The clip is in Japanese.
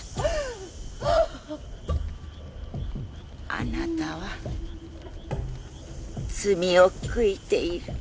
あなたは罪を悔いている。